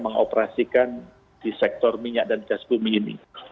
mengoperasikan di sektor minyak dan gas bumi ini